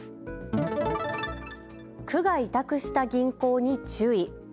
区が委託した銀行に注意。